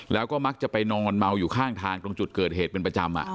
แล้วก็มักจะไปนอนเมาอยู่ข้างทางตรงจุดเกิดเหตุเป็นประจำ